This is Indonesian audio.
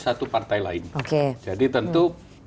satu partai lain oke jadi tentu